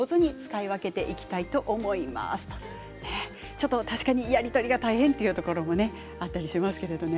ちょっと確かにやり取りが大変というところもあったりしますけどね。